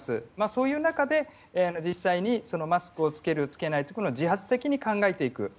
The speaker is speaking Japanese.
そういう中で実際にマスクを着ける着けないというのを自発的に考えていく。